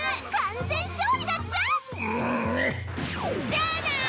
じゃあな！